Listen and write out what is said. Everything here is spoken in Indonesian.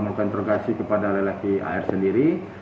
mengkontrogasi kepada lelaki ar sendiri